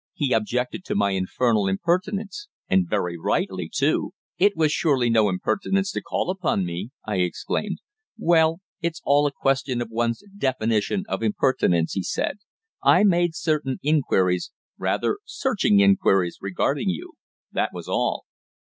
He objected to my infernal impertinence and very rightly, too." "It was surely no impertinence to call upon me!" I exclaimed. "Well, it's all a question of one's definition of impertinence," he said. "I made certain inquiries rather searching inquiries regarding you that was all."